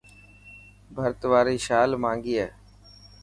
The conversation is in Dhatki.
ڀرت واري شال مهانگي هي.